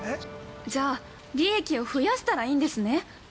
じゃあ、利益を増やしたらいいんですね。